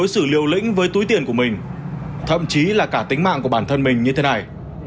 sự liều lĩnh với túi tiền của mình thậm chí là cả tính mạng của bản thân mình như thế này